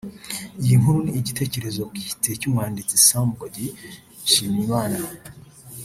Iyi nkuru ni igitekerezo bwite cy’umwanditsi Sam Gody Nshimiyimana